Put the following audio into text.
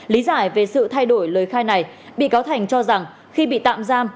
lý giải về sự thay đổi lời khai này bị cáo thành cho rằng khi bị tạm giam